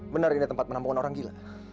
benar ini tempat penampungan orang gila